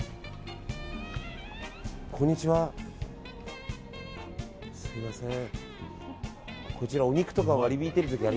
こんにちは、すみません。